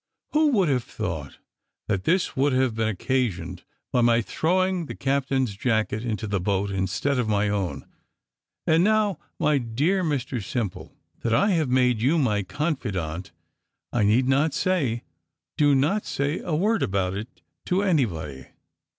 Who would have thought that this would have been occasioned by my throwing the captain's jacket into the boat instead of my own? And now, my dear Mr Simple, that I have made you my confidant, I need not say, do not say a word about it to anybody."